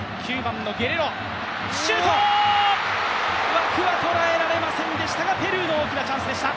枠は捉えられませんでしたがペルーの大きなチャンスでした。